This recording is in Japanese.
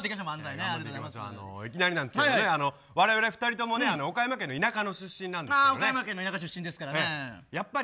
いきなりなんですけどわれわれは２人とも岡山県の田舎の出身なんですよね。